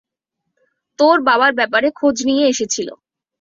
তোর বাবার ব্যপারে খোঁজ নিয়ে এসেছিল।